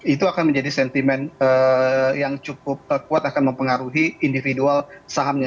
itu akan menjadi sentimen yang cukup kuat akan mempengaruhi individual sahamnya